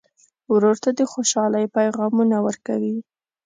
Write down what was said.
ورور ته د خوشحالۍ پیغامونه ورکوې.